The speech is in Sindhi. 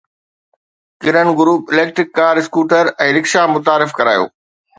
ڪرن group electric car scooter ۽ rickshaw متعارف ڪرايو